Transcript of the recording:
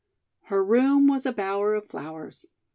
Her room was a bower of flowers.